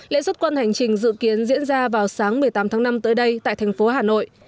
lễ xuất quân hành trình dự kiến diễn ra vào sáng một mươi tám tháng năm tới đây tại thành phố hà nội